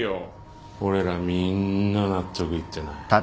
俺らみんな納得いってない。